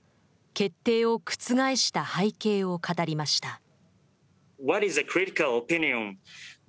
決定を覆した背景を語りました。